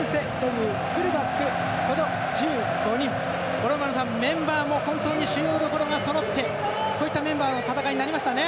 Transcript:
五郎丸さん、メンバーも本当に旬のところがそろってこういったメンバーの戦いになりましたね。